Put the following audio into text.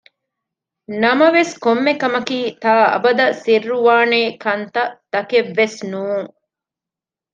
ނަމަވެސް ކޮންމެ ކޮންމެ ކަމަކީ ތާ އަބަދަށް ސިއްރުވާނޭ ކަންތައް ތަކެއް ވެސް ނޫން